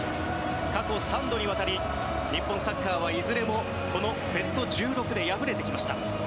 過去３度にわたり日本サッカーはいずれもこのベスト１６で敗れてきました。